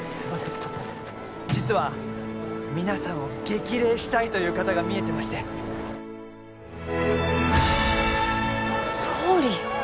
ちょっと実は皆さんを激励したいという方がみえてまして総理！？